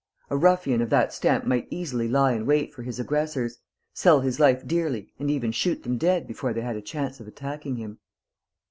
A ruffian of that stamp might easily lie in wait for his aggressors, sell his life dearly and even shoot them dead before they had a chance of attacking him.